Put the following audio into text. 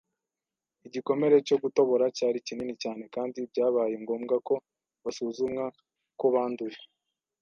Igikomere cyo gutobora cyari kinini cyane kandi byabaye ngombwa ko basuzumwa ko banduye.